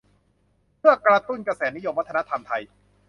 เพื่อกระตุ้นกระแสนิยมวัฒนธรรมไทย